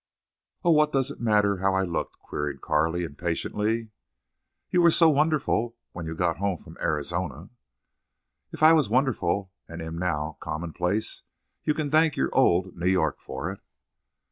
"Oh, what does it matter how I look?" queried Carley, impatiently. "You were so wonderful when you got home from Arizona." "If I was wonderful and am now commonplace you can thank your old New York for it."